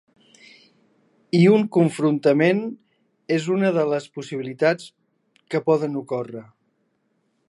I un confrontament és una de les possibilitats que poden ocórrer.